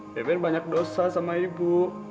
beben banyak dosa sama ibu